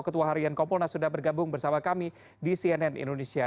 ketua harian kompolnas sudah bergabung bersama kami di cnn indonesia